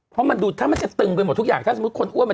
เพราะมันดูถ้ามันจะตึงไปหมดทุกอย่างถ้าสมมุติคนอ้วนมัน